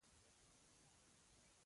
مستو ورو ور غږ کړل: څوک نه ښکاري.